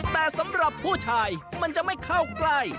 แต่สำหรับผู้ชายมันจะไม่เข้าใกล้